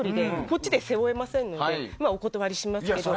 こっちで背負えませんのでお断りしますけど。